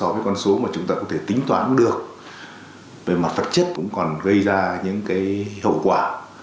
con số mà chúng ta có thể tính toán được về mặt vật chất cũng còn gây ra những cái hậu quả